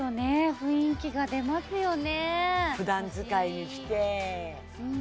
雰囲気が出ますよね